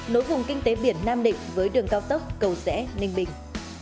nối vùng kinh tế biển nam định với đường cao tốc cầu rẽ ninh bình